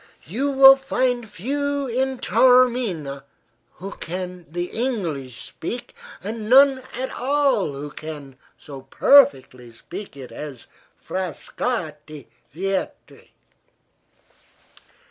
You will find few in Taormina who can the English speak, and none at all who can so perfectly speak it as Frascatti Vietri."